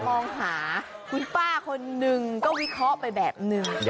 มองหาคุณป้าคนนึงก็วิเคราะห์ไปแบบนึง